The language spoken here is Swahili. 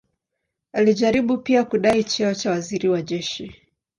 Alijaribu pia kudai cheo cha waziri wa jeshi.